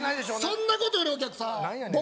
そんなことよりお客さん何やねん